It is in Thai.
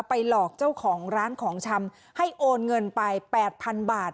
หลอกเจ้าของร้านของชำให้โอนเงินไป๘๐๐๐บาท